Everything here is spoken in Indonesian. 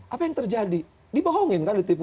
apa yang terjadi dibohongin kan ditipu